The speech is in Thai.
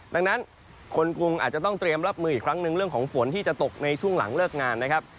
ดังนั้นคนกรุงอาจจะต้องเตรียมรับมืออีกครั้งหนึ่งเรื่องของฝนที่จะตกในช่วงหลังเลิกงานนะครับ